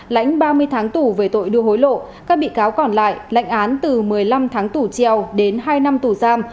lãnh ba mươi tháng tù về tội đưa hối lộ các bị cáo còn lại lãnh án từ một mươi năm tháng tù treo đến hai năm tù giam